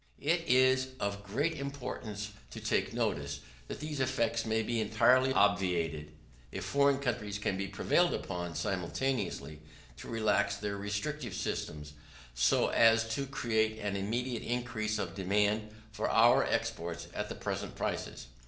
It is of greater importance to take notice, that these effects may be entirely obviated, if foreign countries can be prevailed upon simultaneously to relax their restrictive systems, so as to create an immediate increase of demand for our exports at the present prices.